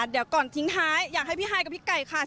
เดี๋ยวก่อนทิ้งท้ายอยากให้พี่ฮายกับพี่ไก่ค่ะ